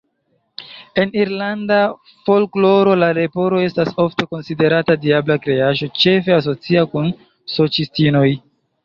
En irlanda folkloro la leporo estas ofte konsiderata diabla kreaĵo, ĉefe asocia kun sorĉistinoj.